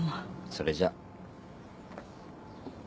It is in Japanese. それじゃあ。